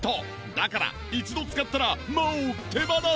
だから一度使ったらもう手放せない！